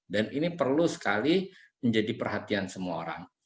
dan ini perlu sekali menjadi perhatian semua orang